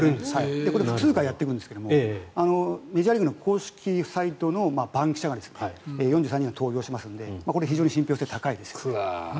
これ、複数回やってくんですがメジャーリーグの公式サイトの番記者が４３人が投票しますので非常に信ぴょう性、高いですよ。